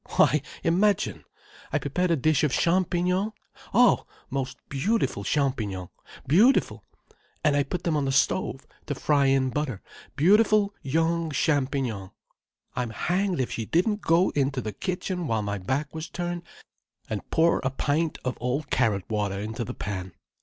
Why imagine! I prepared a dish of champignons: oh, most beautiful champignons, beautiful—and I put them on the stove to fry in butter: beautiful young champignons. I'm hanged if she didn't go into the kitchen while my back was turned, and pour a pint of old carrot water into the pan.